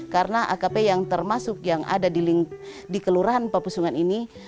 karena akp yang termasuk yang ada di kelurahan pepusungan ini